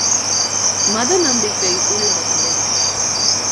மத நம்பிக்கை உள்ளவர்களே!